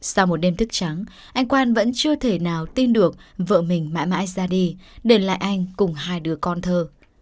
sau một đêm thức trắng anh quan vẫn chưa thể nào tin được vợ mình mãi mãi ra đi để lại anh cùng hai đứa con thơ